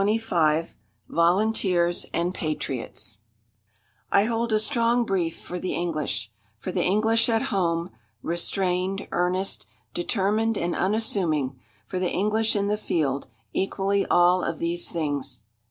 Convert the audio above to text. CHAPTER XXV VOLUNTEERS AND PATRIOTS I hold a strong brief for the English: For the English at home, restrained, earnest, determined and unassuming; for the English in the field, equally all of these things.